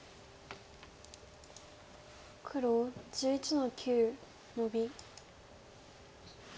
黒１１の九ノビ。